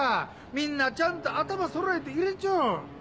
みんなちゃんと頭そろえて入れちょる！